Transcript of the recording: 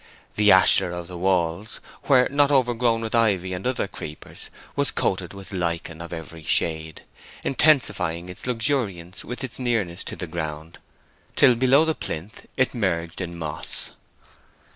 The ashlar of the walls, where not overgrown with ivy and other creepers, was coated with lichen of every shade, intensifying its luxuriance with its nearness to the ground, till, below the plinth, it merged in moss.